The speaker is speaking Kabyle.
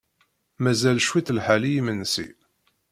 Mazal cwiṭ lḥal i yimensi.